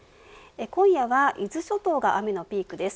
今夜は伊豆諸島が雨のピークです。